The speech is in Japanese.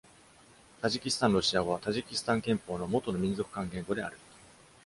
タジキスタンロシア語は、タジキスタン憲法の元の民族間言語である。